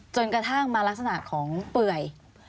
จนกระทั่งมาลักษณะของเปื่อย